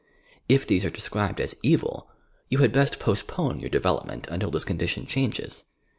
U these are described as evil, you had best post pone your development until this condition changes.